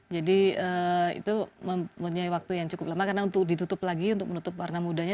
jadi itu mempunyai waktu yang cukup lama karena untuk ditutup lagi untuk menutup warna mudanya